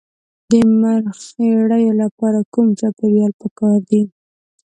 د مرخیړیو لپاره کوم چاپیریال پکار دی؟